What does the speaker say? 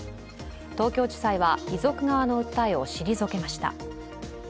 東京地裁は遺族側の訴えを退けました。